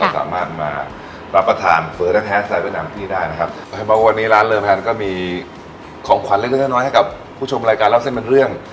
เราสามารถมารับประทานเฟอร์เวียดแท้แท้เวียดนามที่ได้นะครับถ้ามาวันนี้ร้านเรือมายอันก็มีของขวัญเลือกเลือกน้อยให้กับผู้ชมรายการเล่าเส้นเป็นเรื่อง